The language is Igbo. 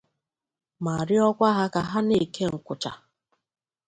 ma rịọkwa ha ka ha na-eke nkwụcha